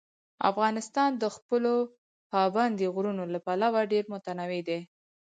افغانستان د خپلو پابندي غرونو له پلوه ډېر متنوع دی.